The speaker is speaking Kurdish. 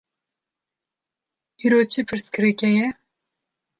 Îro çi pirsgirêk heye?